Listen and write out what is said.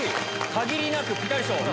限りなくピタリ賞。